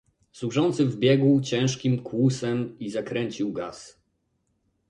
"Służący wbiegł ciężkim kłusem i zakręcił gaz."